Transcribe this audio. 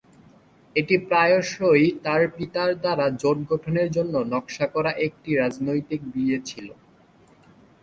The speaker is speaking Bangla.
এটি প্রায়শই তার পিতার দ্বারা জোট গঠনের জন্য নকশা করা একটি রাজনৈতিক বিয়ে ছিল।